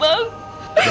yang gusteng itu